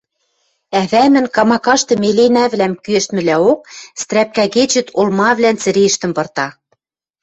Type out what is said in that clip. ӓвӓмӹн камакашты меленӓвлӓм кӱэштмӹлӓок стрӓпкӓ кечет олмавлӓн цӹрештӹм пырта.